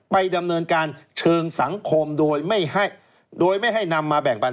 ไปดำเนินการเชิงสังคมโดยไม่ให้นำมาแบ่งปัน